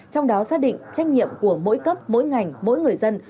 trong đó xác định trách nhiệm của mỗi cấp mỗi ngành mỗi người dân